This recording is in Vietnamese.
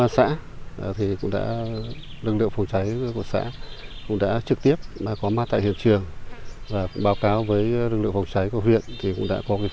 xin chào và hẹn gặp lại